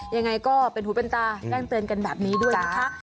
ยังไงก็เป็นหูเป็นตาแจ้งเตือนกันแบบนี้ด้วยนะคะ